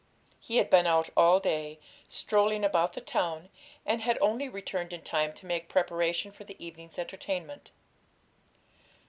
He had been out all day, strolling about the town, and had only returned in time to make preparation for the evening's entertainment.